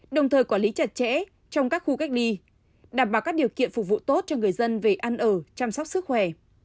đồng thời quản lý chặt chẽ trong các khu cách ly đảm bảo các điều kiện phục vụ tốt cho người dân về ăn ở chăm sóc sức khỏe